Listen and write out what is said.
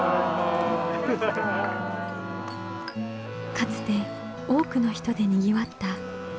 かつて多くの人でにぎわった石見銀山の町。